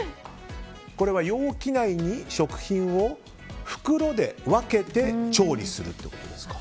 これは容器内に食品を袋で分けて調理するということですか。